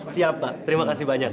siap pak terima kasih banyak